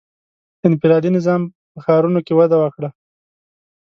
• انفرادي نظام په ښارونو کې وده وکړه.